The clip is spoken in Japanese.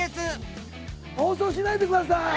放送しないでください！